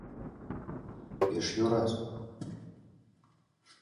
— Пеш йӧрас.